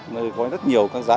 nơi có rất nhiều các giai đoạn